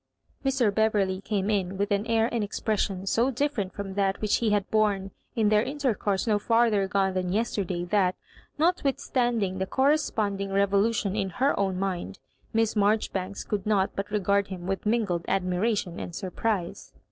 'Mr. Beverley came in with an air and expres sion so different from that which he had borne in their intercourse no farther gone than yester day, that, notwithstanding the corresponding re volution in her own mind, Miss Marjoribanks could not but regard him with mingled admira tion and surprise.